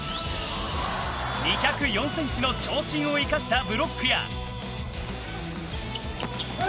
２０４ｃｍの長身を生かしたブロックや。